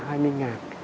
hai mươi ngàn